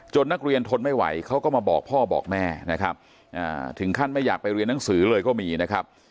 นักเรียนทนไม่ไหวเขาก็มาบอกพ่อบอกแม่นะครับถึงขั้นไม่อยากไปเรียนหนังสือเลยก็มีนะครับ